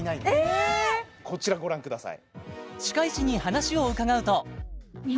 こちらご覧ください